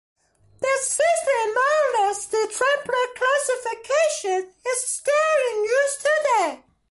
This system, known as the "Trumpler classification", is still in use today.